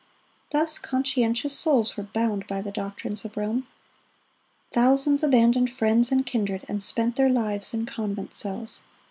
Thus conscientious souls were bound by the doctrines of Rome. Thousands abandoned friends and kindred, and spent their lives in convent cells.